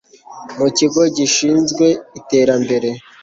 mu kigo gishinzwe iterambere